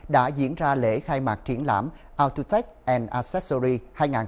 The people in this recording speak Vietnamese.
đã diễn ra lễ khai mạc triển lãm autotech accessories hai nghìn hai mươi ba